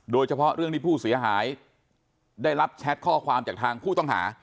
โดยเฉพาะเรื่องที่ผู้เสียหายได้รับแชทข้อความจากทางผู้ต้องหา